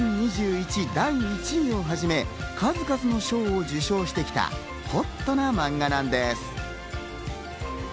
第１位をはじめ、数々の賞を受賞してきたほっとなマンガなんです。